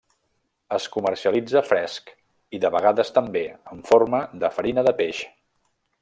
Es comercialitza fresc i, de vegades també, en forma de farina de peix.